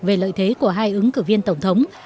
về lợi thế của hai ứng cử viên tổng thống